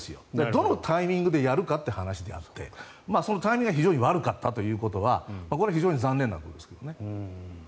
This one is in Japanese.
どのタイミングでやるかという話であってそのタイミングが非常に悪かったということは残念なことですね。